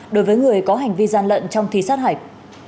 đối với người có hành vi gian lận trong thi sát hạch